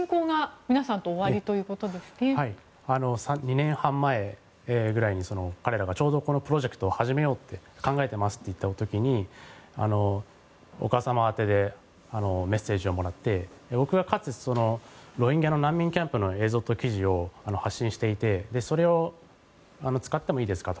２年半前ぐらいにちょうど彼らがこのプロジェクトを始めようって考えていますという時にお母様宛てでメッセージをもらって僕がかつてロヒンギャの難民キャンプの映像と記事を発信していてそれを使ってもいいですかと。